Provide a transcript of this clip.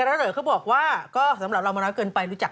โอ้โฮเดี๋ยวนางว่าคนโสดต้องตาย